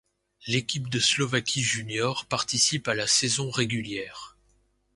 L'équipe de Slovaquie junior participe à la saison régulière.